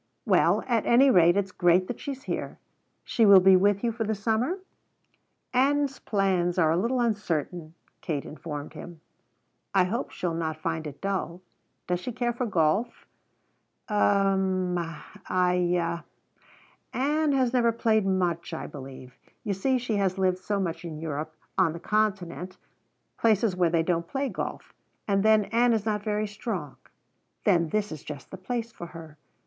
Well, at any rate it's great that she's here. She will be with you for the summer?" "Ann's plans are a little uncertain," Kate informed him. "I hope she'll not find it dull. Does she care for golf?" "U m, I Ann has never played much, I believe. You see she has lived so much in Europe on the Continent places where they don't play golf! And then Ann is not very strong." "Then this is just the place for her.